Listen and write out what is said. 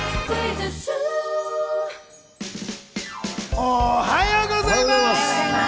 おはようございます！